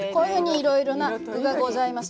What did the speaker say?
いろいろな具がございます。